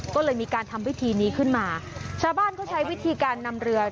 ก็เลยมีการทำวิธีนี้ขึ้นมาชาวบ้านก็ใช้วิธีการนำเรือ